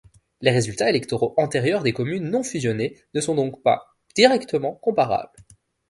Les résultats électoraux antérieurs des communes non-fusionnées ne sont donc pas directement comparables.